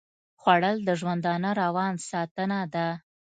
خوړل د ژوندانه روان ساتنه ده